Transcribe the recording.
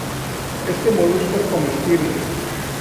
Este molusco es comestible.